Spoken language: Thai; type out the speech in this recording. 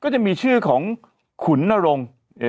จะมีชื่อของขุนนรงค์